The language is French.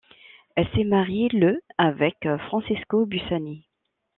Elle s'est mariée le avec Francesco Bussani.